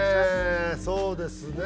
そうですね。